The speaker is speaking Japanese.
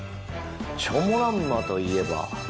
チョモランマといえば。